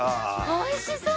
おいしそう！